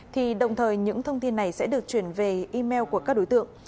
thì đồng thời những thông tin này sẽ được chuyển về email của các đối tượng